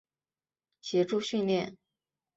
协助训练。